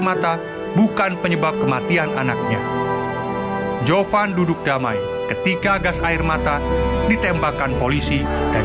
mata bukan penyebab kematian anaknya jovan duduk damai ketika gas air mata ditembakkan polisi dan